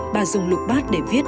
bà dùng lục bát để viết